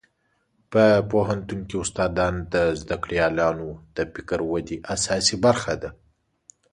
په پوهنتون کې استادان د زده کړیالانو د فکري ودې اساسي برخه ده.